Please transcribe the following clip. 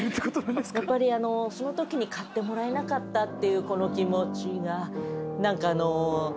やっぱりあのそのときに買ってもらえなかったっていうこの気持ちが何かあの。